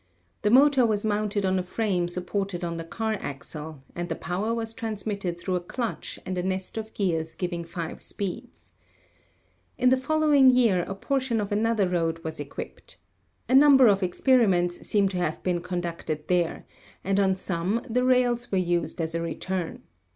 The motor was mounted on a frame supported on the car axle, and the power was transmitted through a clutch and a nest of gears giving five speeds. In the following year a portion of another road was equipped. A number of experiments seem to have been conducted there and on some the rails were used as a re turn.